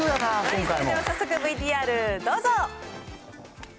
それでは早速、ＶＴＲどうぞ。